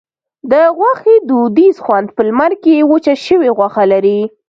د غوښې دودیز خوند په لمر کې وچه شوې غوښه لري.